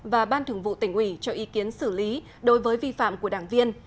và ban thường vụ tỉnh ủy cho ý kiến xử lý đối với vi phạm của đảng viên